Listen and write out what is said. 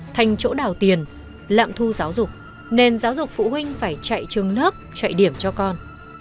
thành chỗ đào tiền lạm thu giáo dục nền giáo dục phụ huynh phải chạy trường lớp chạy điểm cho con